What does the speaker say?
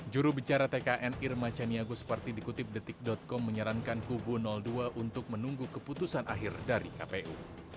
jurubicara tkn irma caniago seperti dikutip detik com menyarankan kubu dua untuk menunggu keputusan akhir dari kpu